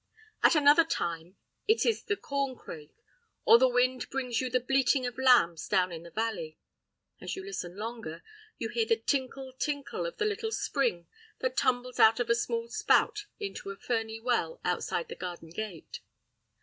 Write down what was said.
At another time it is the corn crake; or the wind brings you the bleating of lambs down in the valley. As you listen longer, you hear the tinkle, tinkle of the little spring that tumbles out of a small spout into a ferny well outside the garden gate.